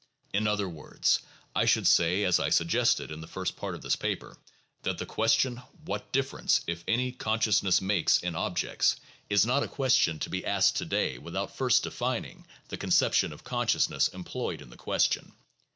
In other words, I should say, as I suggested in the first part of this paper, that the question, what difference, if any, consciousness makes in objects, is not a question to be asked to day without first defining the conception of consciousness employed in the question.